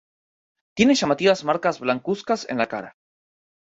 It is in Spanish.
Tienen llamativas marcas blancuzcas en la cara.